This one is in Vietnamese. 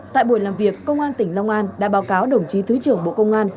tại buổi làm việc công an tỉnh long an đã báo cáo đồng chí thứ trưởng bộ công an